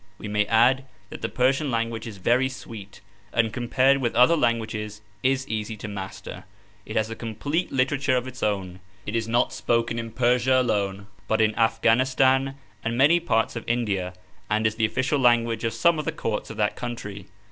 We may add that the Persian language is very sweet, and compared with other languages is easy to master. It has a complete literature of its own. It is not spoken in Persia alone, but in Afghanistan and many parts of India, and is the official language of some of the courts of that country.